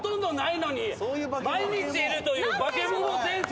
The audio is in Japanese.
毎日いるというバケモン先生。